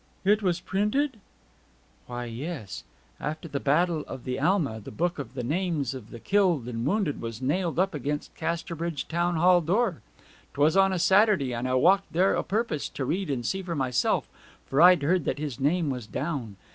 'It was printed?' 'Why, yes. After the Battle of the Alma the book of the names of the killed and wounded was nailed up against Casterbridge Town Hall door. 'Twas on a Saturday, and I walked there o' purpose to read and see for myself; for I'd heard that his name was down.